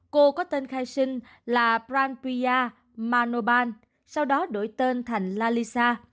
cô có tên khai sinh là pranpya manoban sau đó đổi tên thành lalisa